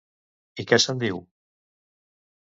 I què se'n diu?